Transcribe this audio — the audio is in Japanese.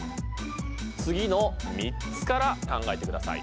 次の３つから考えてください。